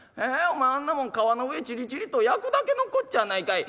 お前あんなもん皮の上チリチリと焼くだけのこっちゃあないかい」。